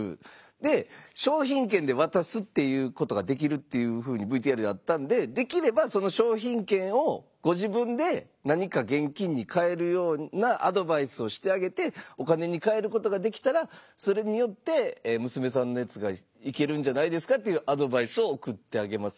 で商品券で渡すっていうことができるっていうふうにＶＴＲであったんでできればその商品券をご自分で何か現金に換えるようなアドバイスをしてあげてお金に換えることができたらそれによって娘さんの熱がいけるんじゃないですかというアドバイスをおくってあげます。